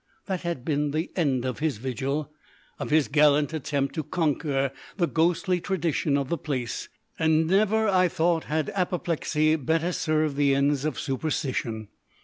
That had been the end of his vigil, of his gallant attempt to conquer the ghostly tradition of the place, and never, I thought, had apoplexy better served the ends of superstition.